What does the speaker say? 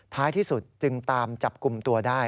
ท้ายที่สุดจึงตามจับกลุ่มตัวได้